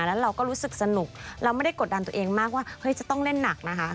แล้วเราก็รู้สึกสนุกเราไม่ได้กดดันตัวเองมากว่าเฮ้ยจะต้องเล่นหนักนะคะ